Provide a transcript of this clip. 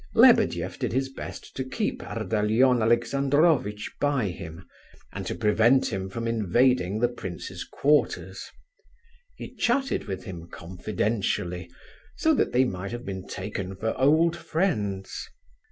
Lebedeff did his best to keep Ardalion Alexandrovitch by him, and to prevent him from invading the prince's quarters. He chatted with him confidentially, so that they might have been taken for old friends.